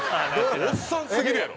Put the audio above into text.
おっさんすぎるやろ。